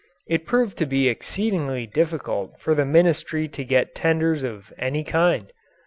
It proved to be exceedingly difficult for the Ministry to get tenders of any kind.